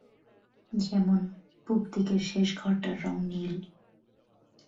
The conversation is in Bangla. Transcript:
যেমন, পুবদিকের শেষ ঘরটার রঙ নীল।